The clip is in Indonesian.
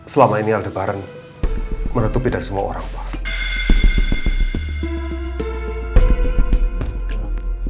selama ini aldebaran menutupi dari semua orang pak